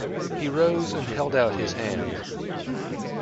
He rose and held out his hands.